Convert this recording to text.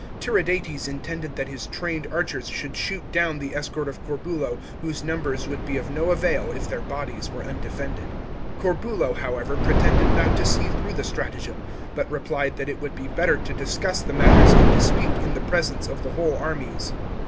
Tiridates intended that his trained archers should shoot down the escort of Corbule, whose numbers would be of no avail if their bodies were undefended. Corbulo, however, pretended not to see through the stratagem, but replied that it would be better to discuss the matters in dispute in the presence of the whole armies.